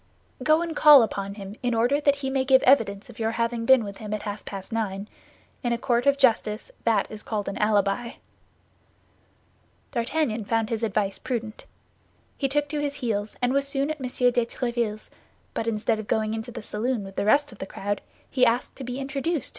"Go and call upon him, in order that he may give evidence of your having been with him at half past nine. In a court of justice that is called an alibi." D'Artagnan found his advice prudent. He took to his heels, and was soon at M. de Tréville's; but instead of going into the saloon with the rest of the crowd, he asked to be introduced to M.